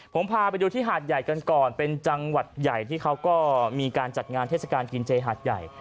ผมพาไปดูที่หาดใหญ่กันก่อนเป็นจังหวัดใหญ่ที่เขาก็มีการจัดงานเทศกาลกินเจหาดใหญ่